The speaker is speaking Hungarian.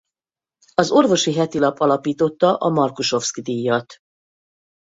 Az Orvosi Hetilap alapította a Markusovszky-díjat.